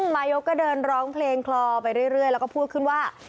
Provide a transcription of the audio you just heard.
นายกก็เดินร้องเพลงคลอไปเรื่อยแล้วก็พูดขึ้นว่า